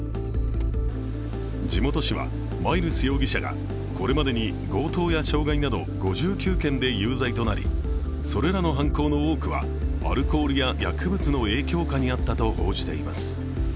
地元紙は、マイルス容疑者がこれまでに強盗や傷害など５９件で有罪となり、それらの犯行の多くはアルコールや薬物の影響下にあったと報じています。